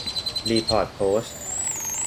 รีพอร์ตโพสต์